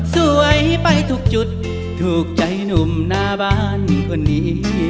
สวยไปทุกจุดถูกใจหนุ่มหน้าบ้านคนนี้